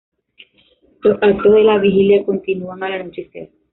Los actos de la vigilia, continúan al anochecer.